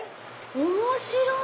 面白い！